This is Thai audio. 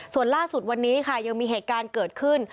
ส่วนล่าสุดวันนี้ค่ะยังมีเหตุการณ์เกิดขึ้น